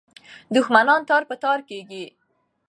دښمنان تار په تار کېږي.